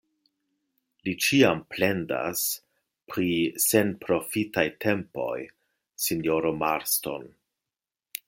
Li ĉiam plendas pri senprofitaj tempoj, sinjoro Marston.